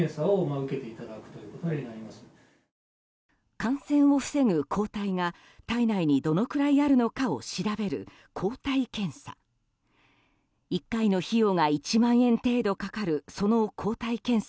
感染を防ぐ抗体が体内にどのくらいあるのかを調べる抗体検査。